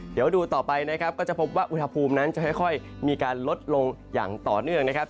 เดี๋ยวดูต่อไปนะครับก็จะพบว่าอุณหภูมินั้นจะค่อยมีการลดลงอย่างต่อเนื่องนะครับ